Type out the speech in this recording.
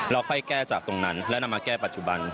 ค่อยแก้จากตรงนั้นและนำมาแก้ปัจจุบัน